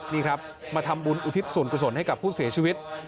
นี่ครับมาทำบุญอุทิศส่วนกุศลให้กับผู้เสียชีวิต